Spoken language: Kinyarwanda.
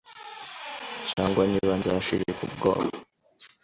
cyangwa niba nzashirika ubwoba